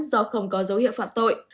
do không có dấu hiệu phạm tội